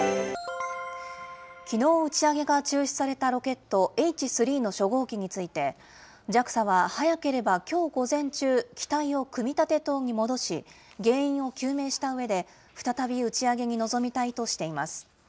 きのう打ち上げが中止されたロケット、Ｈ３の初号機について、ＪＡＸＡは早ければきょう午前中、機体を組み立て棟に戻し、原因を究明したうえで、再び打ち上げに臨みたいとしています。